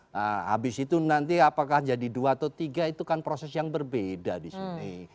nah habis itu nanti apakah jadi dua atau tiga itu kan proses yang berbeda di sini